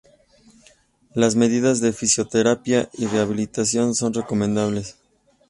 Las medidas de fisioterapia y rehabilitación son recomendables.